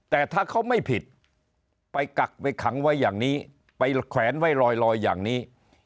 แต่ถ้าเขาไม่ผิดไปกักไปขังไว้อย่างนี้ไปแขวนไว้ลอยอย่างนี้